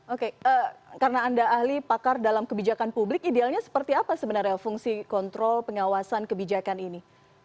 oke karena anda ahli pakar dalam kebijakan publik idealnya seperti apa sebenarnya fungsi kontrol pengawasan kebijakan ini